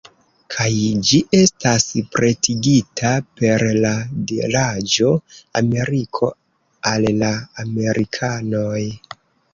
Kaj ĝi estas pretigita per la diraĵo: ""Ameriko al la amerikanoj""